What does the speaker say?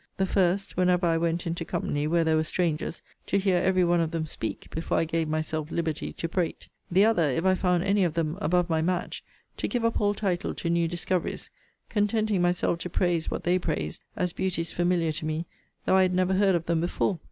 The first, whenever I went into company where there were strangers, to hear every one of them speak, before I gave myself liberty to prate: The other, if I found any of them above my match, to give up all title to new discoveries, contenting myself to praise what they praised, as beauties familiar to me, though I had never heard of them before.